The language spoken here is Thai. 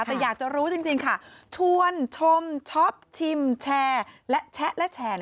แต่อยากจะรู้จริงค่ะชวนชมชอบชิมแชร์และแชะและแชร์